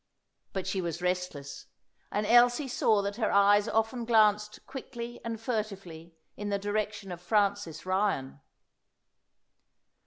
But she was restless, and Elsie saw that her eyes often glanced quickly and furtively in the direction of Francis Ryan.